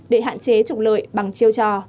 để hạn chế trục lợi bằng chiêu trò